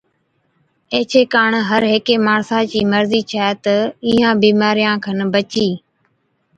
ايڇي ڪاڻ هر هيڪي ماڻسا چِي مرضِي ڇَي تہ اِينهان بِيمارِيان بڇَين